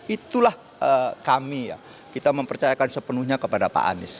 itulah kami ya kita mempercayakan sepenuhnya kepada pak anies